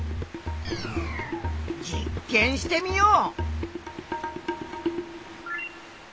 実験してみよう！